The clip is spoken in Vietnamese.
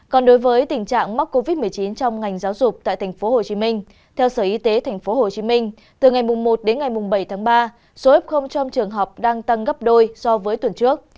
còn đối với tình trạng mắc covid một mươi chín trong ngành giáo dục tại tp hcm theo sở y tế tp hcm từ ngày một đến ngày bảy tháng ba số f trong trường học đang tăng gấp đôi so với tuần trước